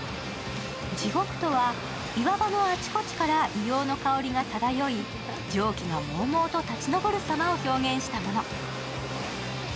地獄とは岩場のあちこちから硫黄の香りが漂い、蒸気がもうもうと立ち上るさまを表現したもの。